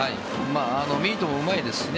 ミートもうまいですね。